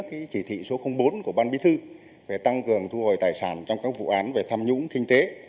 cái chỉ thị số bốn của ban bí thư về tăng cường thu hồi tài sản trong các vụ án về tham nhũng kinh tế